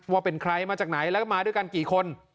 ว่าเป็นใครมาจากไหนแล้วก็มาด้วยกันกี่คน